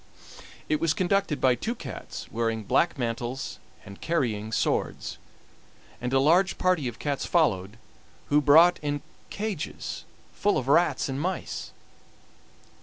It was conducted by two cats wearing black mantles and carrying swords, and a large party of cats followed, who brought in cages full of rats and mice.